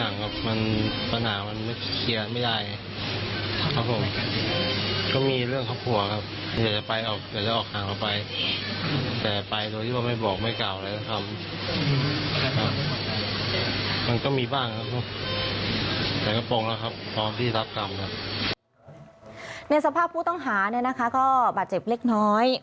ในสภาพผู้ต้องหาก็บาดเจ็บเล็กน้อย